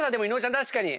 確かに。